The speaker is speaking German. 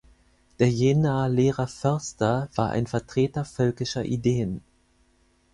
Der Jenaer Lehrer Förster war ein Vertreter völkischer Ideen.